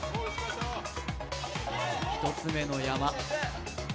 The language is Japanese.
１つ目の山。